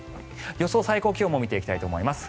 予想最高気温も見ていきたいと思います。